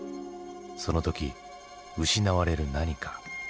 その時失われる何か。